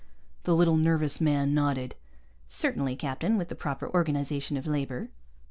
The little nervous man nodded. "Certainly, captain. With the proper organization of labor."